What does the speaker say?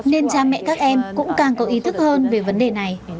nên cha mẹ các em cũng càng có ý thức hơn về vấn đề này